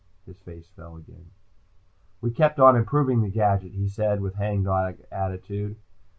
His face fell again. "We kept on improving the gadget," he said with hangdog attitude.